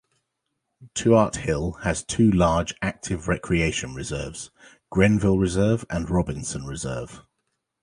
Tuart Hill has two large active recreation reserves: Grenville Reserve and Robinson Reserve.